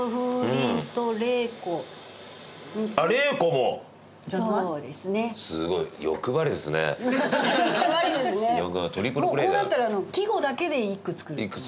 もうこうなったら季語だけで一句作る。